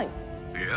いや。